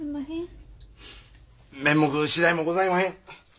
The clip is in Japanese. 面目次第もございまへん。